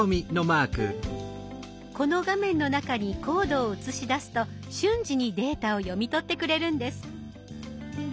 この画面の中にコードをうつし出すと瞬時にデータを読み取ってくれるんです。